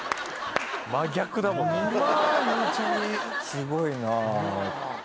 すごいな。